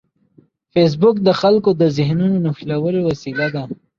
فېسبوک د خلکو د ذهنونو نښلولو وسیله ده